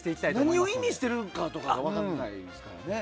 何を意味しているのかとかが分からないですからね。